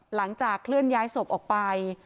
หลังจากเคลื่อนย้ายศพออกไป